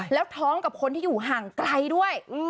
แล้วท้องกับคนที่อยู่ห่างไกลด้วย